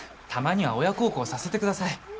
たまには親孝行させてください。